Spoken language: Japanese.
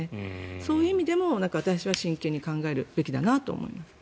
そういう意味でも私は真剣に考えるべきだと思います。